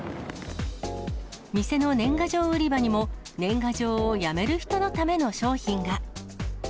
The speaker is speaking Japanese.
店の年賀状売り場にも、年賀状をやめる人のための商品が。